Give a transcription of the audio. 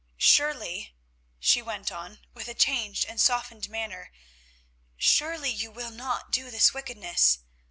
"Surely," she went on, with a changed and softened manner, "surely you will not do this wickedness.